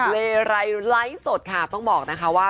เลไรไลฟ์สดค่ะต้องบอกนะคะว่า